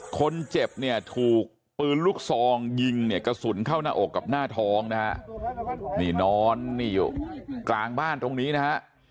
คนเจ็บเนี่ยถูกปืนลูกซองยิงเนี่ยกระสุนเข้าหน้าอกกับหน้าท้องนะฮะนี่นอนนี่อยู่กลางบ้านตรงนี้นะฮะ